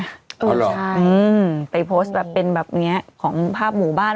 อ๋อเหรอใช่ไปโพสต์แบบเป็นแบบนี้ของภาพหมู่บ้าน